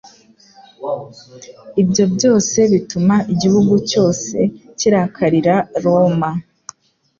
Ibyo byose bituma igihugu cyose kirakarira Roma